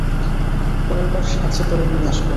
পরেরবার সাথে করে নিয়ে আসবো।